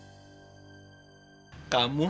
tapi apa yang kita lakukan